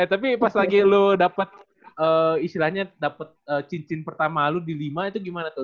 eh tapi pas lagi lu dapet istilahnya dapet cincin pertama lu di lima itu gimana tuh